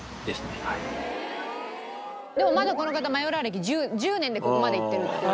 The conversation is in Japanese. でもまだこの方マヨラー歴１０年でここまでいってるっていう。